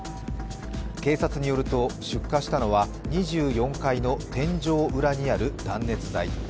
警察によると出火したのは２４階にある天井裏にある断熱材。